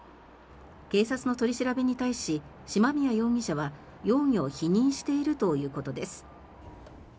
警察の取り調べに対し嶋宮容疑者は容疑を否認しているということです。